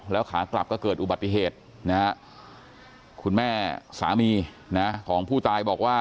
แล้วขากลับก็เกิดอุบัติเหตุนะฮะคุณแม่สามีนะของผู้ตายบอกว่า